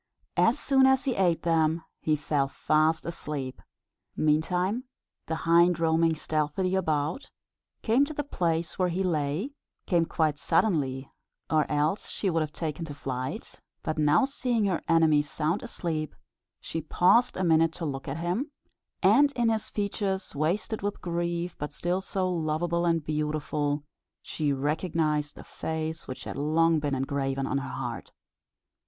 As soon as he ate them he fell fast asleep. Meantime the hind, roaming stealthily about, came to the place where he lay came quite suddenly, or else she would have taken to flight; but now seeing her enemy sound asleep, she paused a minute to look at him; and in his features, wasted with grief, but still so loveable and beautiful, she recognised the face which had long been engraven on her heart.